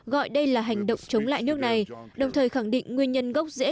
gọi đây là hành động chống lại nước này đồng thời khẳng định nguyên nhân gốc rễ